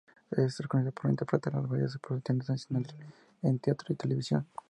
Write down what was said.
Es reconocido por interpretar de varias producciones nacionales en teatro y televisión.